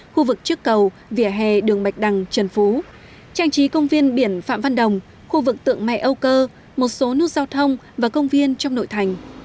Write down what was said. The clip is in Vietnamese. khu vực trước cầu vỉa hè đường bạch đằng trần phú trang trí công viên biển phạm văn đồng khu vực tượng mẹ âu cơ một số nút giao thông và công viên trong nội thành